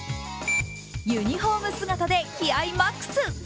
ユニフォーム姿で気合いマックス。